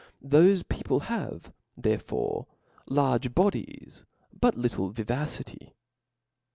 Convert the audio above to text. Thofe people have therefore large bodies and but little vivacity.